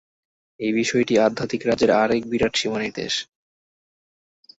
এই বিষয়টি আধ্যাত্মিক রাজ্যের আর এক বিরাট সীমা-নির্দেশ।